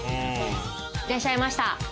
いらっしゃいました。